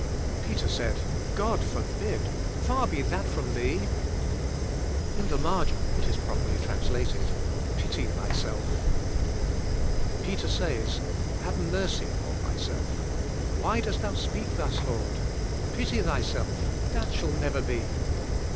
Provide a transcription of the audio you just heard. Peter said, "God forbid. Far be that from Thee." In the marg in it is properly translated '' Pity thy self." Peter says, "Have mercy upon thyself. Why dost thou speak thus, Lord? Pity thyself. That shall never be."